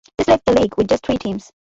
This left the league with just three teams.